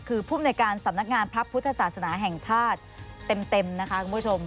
คือภูมิในการสำนักงานพระพุทธศาสนาแห่งชาติเต็มนะคะคุณผู้ชม